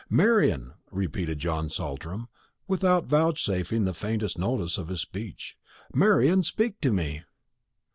"Marian!" repeated John Saltram, without vouchsafing the faintest notice of this speech. "Marian, speak to me!"